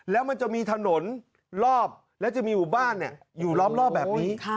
แล้วมันจะมีถนนรอบและจะมีหมู่บ้านอยู่รอบแบบนี้